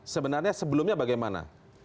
sebenarnya sebelumnya bagaimana